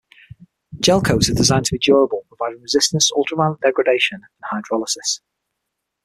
Gelcoats are designed to be durable, providing resistance to ultraviolet degradation and hydrolysis.